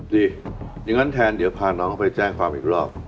ดิอย่างนั้นแทนเดี๋ยวพาน้องไปแจ้งความอีกรอบ